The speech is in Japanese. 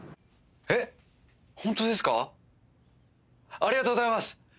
ありがとうございます！